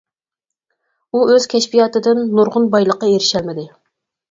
ئۇ ئۆز كەشپىياتىدىن نۇرغۇن بايلىققا ئېرىشەلمىدى.